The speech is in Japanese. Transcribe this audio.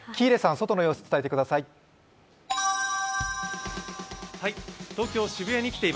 外の様子を伝えてください。